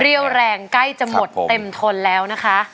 แรงใกล้จะหมดเต็มทนแล้วนะคะ